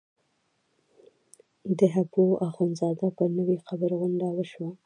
د حبواخندزاده پر نوې مقبره غونډه وشوه.